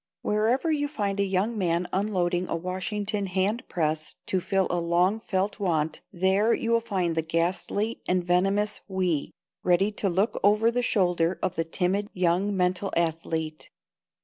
Wherever you find a young man unloading a Washington hand press to fill a long felt want, there you will find the ghastly and venomous "we," ready to look over the shoulder of the timid young mental athlete.